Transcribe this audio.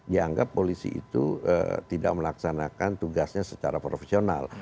dianggap polisi itu tidak melaksanakan tugasnya secara profesional